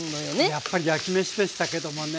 やっぱり焼きめしでしたけどもね。